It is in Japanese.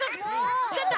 ちょっと！